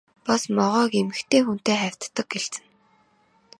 Бас могойг эмэгтэй хүнтэй хавьтдаг гэлцэнэ.